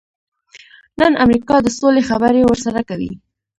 نن امریکا د سولې خبرې ورسره کوي.